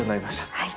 はい！